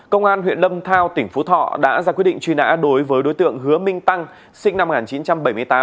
công an huyện lâm thao tỉnh phú thọ đã ra quyết định truy nã đối với đối tượng hứa minh tăng sinh năm một nghìn chín trăm bảy mươi tám